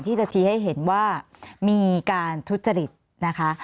ที่จะชี้ให้เห็นว่ามีการทุจริตนะคะ